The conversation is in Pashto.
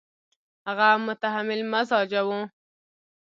هغه متحمل مزاجه وو.